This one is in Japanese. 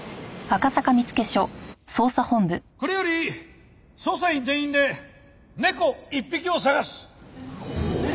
これより捜査員全員で猫１匹を捜す！